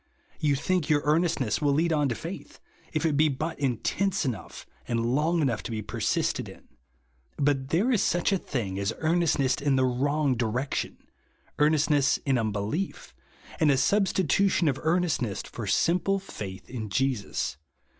You think your earnestness will lead on to faith, if it be but intense enouofh, and lon;.^ enousfh persisted in. But there is such a thins^ as earnestness in the wrong direction ; earnestness in un belief, and a substitution of earnestness for simple faith in Jesus.